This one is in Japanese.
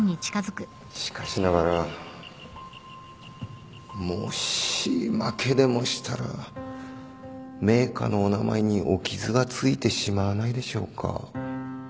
しかしながらもし負けでもしたら名家のお名前にお傷が付いてしまわないでしょうか？